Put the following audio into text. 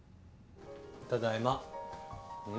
ただいま。